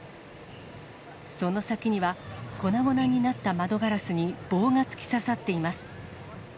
その先には、粉々になった窓ガラスに、棒が突き刺さっています。